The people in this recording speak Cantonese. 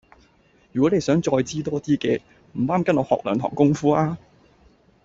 如果你再想知多啲嘅，唔啱跟我學兩堂功夫吖